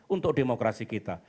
untuk demokrasi kita